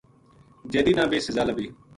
جیدی نا بے سزا لبھی